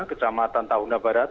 kecamatan tahuna barat